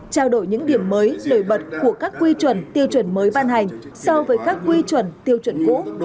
trao đổi những điểm mới nổi bật của các quy chuẩn tiêu chuẩn mới ban hành so với các quy chuẩn tiêu chuẩn cũ